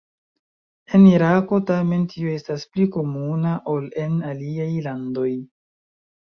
En Irako tamen tio estas pli komuna ol en aliaj landoj.